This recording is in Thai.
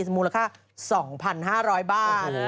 มูลค่า๒๕๐๐บาท